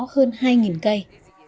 hơn hai cây